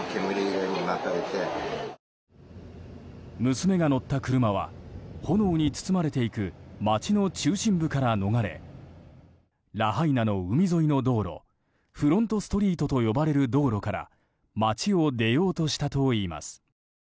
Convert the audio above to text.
娘が乗った車は炎に包まれていく街の中心部から逃れラハイナの海沿いの道路フロントストリートと呼ばれる道路から街を出ようとしたといいます。